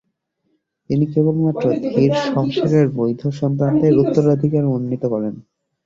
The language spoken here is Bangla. তিনি কেবলমাত্র ধীর শমশেরের বৈধ সন্তানদের উত্তরাধিকার মনোনীত করেন।